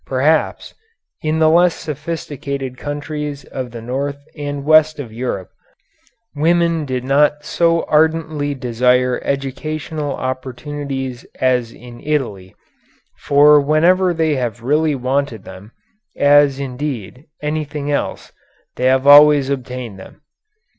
Perhaps, in the less sophisticated countries of the North and West of Europe, women did not so ardently desire educational opportunities as in Italy, for whenever they have really wanted them, as, indeed, anything else, they have always obtained them.